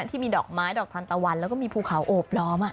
ที่มีดอกไม้ดอกทันตะวันแล้วก็มีภูเขาโอบล้อม